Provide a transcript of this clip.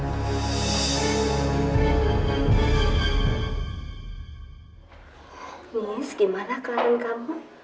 anis gimana keadaan kamu